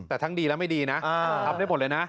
แต่ทั้งดีและไม่ดีนะทำได้หมดเลยนะ